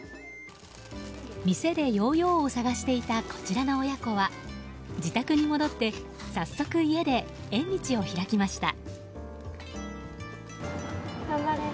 店でヨーヨーを探していたこちらの親子は自宅に戻って早速家で縁日を開きました。